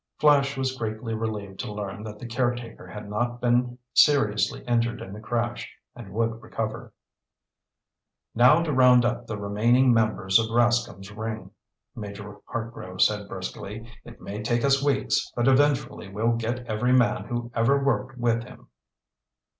Flash was greatly relieved to learn that the caretaker had not been seriously injured in the crash and would recover. "Now to round up the remaining members of Rascomb's ring," Major Hartgrove said briskly. "It may take us weeks, but eventually we'll get every man who ever worked with him."